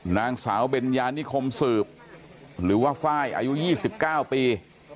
นางสาวเบญญานิคมสืบหรือว่าไฟล์อายุ๒๙ปี